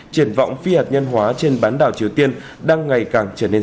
triển vọng phi hạt nhân hóa trên bán đảo triều tiên đang ngày càng trở nên xa vời hơn